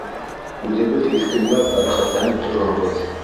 Үҙебеҙ иркенләп, рәхәтләнеп торорбоҙ.